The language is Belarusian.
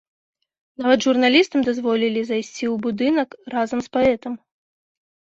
Нават журналістам дазволілі зайсці ў будынак разам з паэтам.